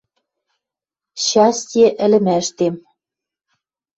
счастье ӹлӹмӓштем!» —